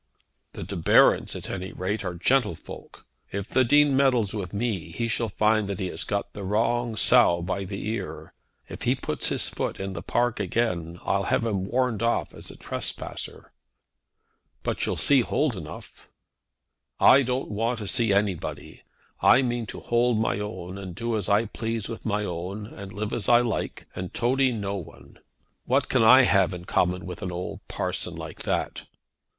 "The De Barons, at any rate, are gentlefolk. If the Dean meddles with me, he shall find that he has got the wrong sow by the ear. If he puts his foot in the park again I'll have him warned off as a trespasser." "But you'll see Mr. Holdenough?" "I don't want to see anybody. I mean to hold my own, and do as I please with my own, and live as I like, and toady no one. What can I have in common with an old parson like that?"